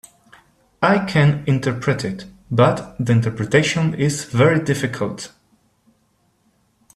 I can interpret it, but the interpretation is very difficult.